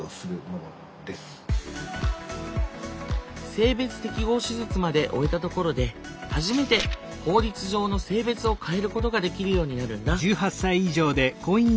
性別適合手術まで終えたところで初めて法律上の性別を変えることができるようになるんだ。